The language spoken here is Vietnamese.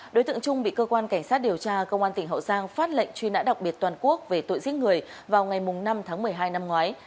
đối tượng trung bị cơ quan cảnh sát điều tra công an tỉnh hậu giang phát lệnh truy nã đặc biệt toàn quốc về tội giết người vào ngày năm tháng một mươi hai năm ngoái